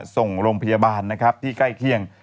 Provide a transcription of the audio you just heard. ส่งโรงพยาบาลที่ใกล้เคียง